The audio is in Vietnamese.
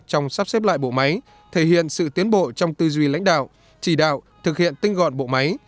trong sắp xếp lại bộ máy thể hiện sự tiến bộ trong tư duy lãnh đạo chỉ đạo thực hiện tinh gọn bộ máy